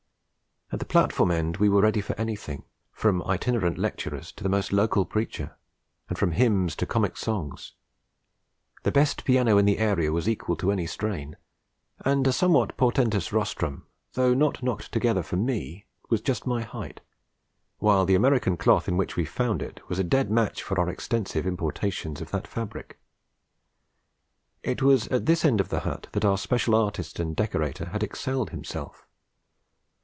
At the platform end we were ready for anything, from itinerant lecturers to the most local preacher, and from hymns to comic songs; the best piano in the area was equal to any strain; and a somewhat portentous rostrum, though not knocked together for me, was just my height, while the American cloth in which we found it was a dead match for our extensive importations of that fabric. It was at this end of the hut that our Special Artist and Decorator had excelled himself.